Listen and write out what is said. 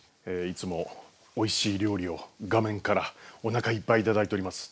いつもおいしい料理を画面からおなかいっぱい頂いております。